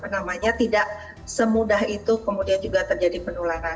namanya tidak semudah itu kemudian juga terjadi penularan